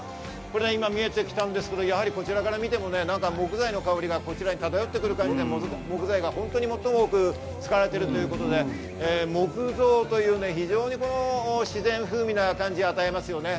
今、見えてきたんですが、こちらから見ても木材の香りが漂ってくる感じで、木材が最も多く使われているということで、木造という自然風靡な感じを与えますよね。